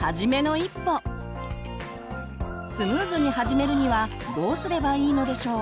スムーズに始めるにはどうすればいいのでしょう？